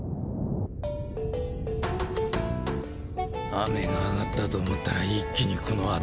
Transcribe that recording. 雨が上がったと思ったら一気にこの暑さかよ。